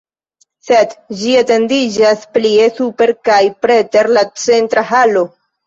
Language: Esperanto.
Sed ĝi etendiĝas plie super kaj preter la centra halo.